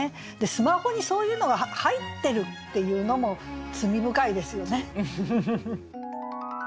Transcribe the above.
スマホにそういうのが入ってるっていうのも罪深いですよね。